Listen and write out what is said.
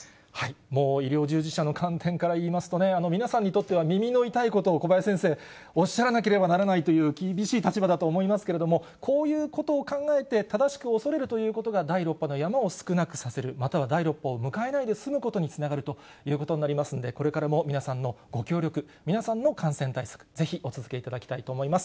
もう医療従事者の観点から言いますとね、皆さんにとっては耳の痛いことを小林先生、おっしゃらなければならないという、厳しい立場だと思いますけれども、こういうことを考えて、正しく恐れるということが第６波の山を少なくさせる、または第６波を迎えないで済むことにつながるということになりますので、これからも皆さんのご協力、皆さんの感染対策、ぜひお続けいただきたいと思います。